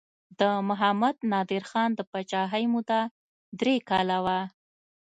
د محمد نادر خان د پاچاهۍ موده درې کاله وه.